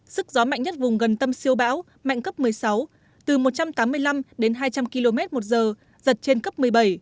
sức gió mạnh nhất vùng gần tâm siêu bão mạnh cấp một mươi sáu từ một trăm tám mươi năm đến hai trăm linh km một giờ giật trên cấp một mươi bảy